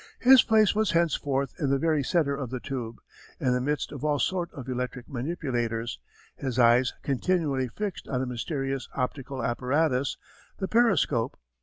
His place was henceforth in the very centre of the tube, in the midst of all sort of electric manipulators, his eyes continually fixed on a mysterious optical apparatus, the periscope.